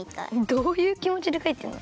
どういうきもちでかいたの？